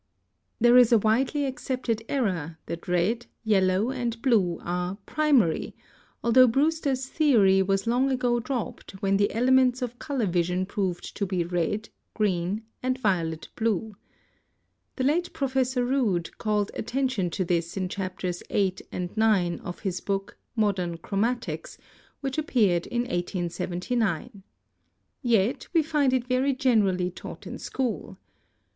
There is a widely accepted error that red, yellow, and blue are "primary," although Brewster's theory was long ago dropped when the elements of color vision proved to be RED, GREEN, and VIOLET BLUE. The late Professor Rood called attention to this in Chapters VIII. XI. of his book, "Modern Chromatics," which appeared in 1879. Yet we find it very generally taught in school.